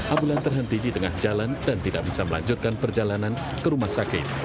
ambulan terhenti di tengah jalan dan tidak bisa melanjutkan perjalanan ke rumah sakit